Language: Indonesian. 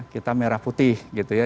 kita merah putih gitu ya